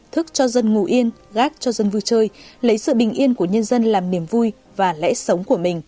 thức cho dân ngủ yên gác cho dân vui chơi lấy sự bình yên của nhân dân làm niềm vui và lẽ sống của mình